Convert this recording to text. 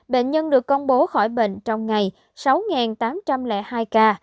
bệnh nhân được công bố khỏi bệnh trong ngày sáu tám trăm linh hai ca